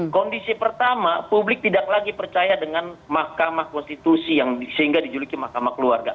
kondisi pertama publik tidak lagi percaya dengan mahkamah konstitusi yang sehingga dijuluki mahkamah keluarga